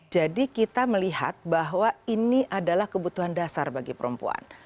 jadi kita melihat bahwa ini adalah kebutuhan dasar bagi perempuan